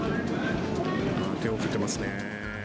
手を振ってますね。